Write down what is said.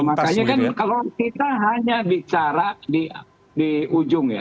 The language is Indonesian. makanya kan kalau kita hanya bicara di ujung ya